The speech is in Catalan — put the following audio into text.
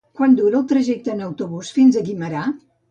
Quant dura el trajecte en autobús fins a Guimerà?